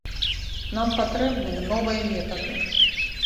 Нам патрэбныя новыя метады.